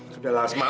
sudahlah asma aku